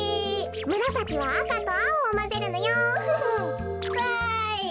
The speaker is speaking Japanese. むらさきはあかとあおをまぜるのよ。わい！